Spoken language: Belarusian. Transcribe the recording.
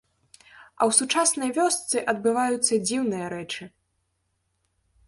А ў сучаснай вёсцы адбываюцца дзіўныя рэчы.